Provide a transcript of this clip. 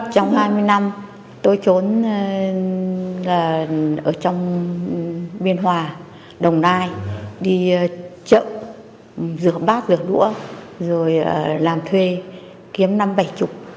trong hai mươi năm tôi trốn ở trong biên hòa đồng nai đi chợ rửa bát rửa đũa rồi làm thuê kiếm năm bảy chục